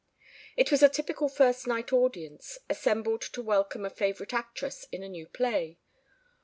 It was a typical first night audience, assembled to welcome a favorite actress in a new play.